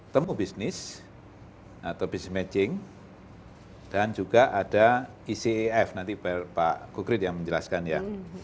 temubisnis atau business matching dan juga ada icef nanti pak kukrit yang menjelaskan ya